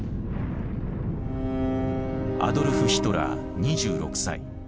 アドルフ・ヒトラー２６歳。